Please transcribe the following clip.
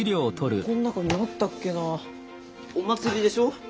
この中にあったっけなお祭りでしょ？